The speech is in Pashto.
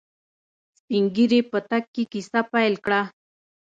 سپينږيري په تګ کې کيسه پيل کړه.